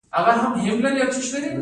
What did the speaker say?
د نیالګي لپاره څومره ژوره کنده وکینم؟